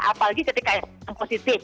apalagi ketika yang positif